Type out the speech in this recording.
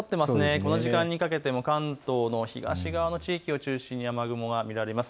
この時間にかけても関東の東側の地域を中心に雨雲が見られます。